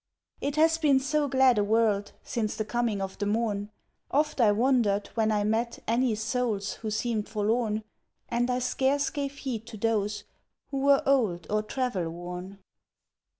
It has been so glad a world since the coming of the morn, Oft I wondered when I met any souls who seemed forlorn And I scarce gave heed to those who were old or travel worn.